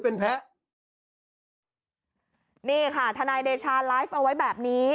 นี่ค่ะทนายเดชาไลฟ์เอาไว้แบบนี้